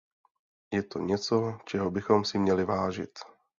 Je to něco, čeho bychom si měli vážit.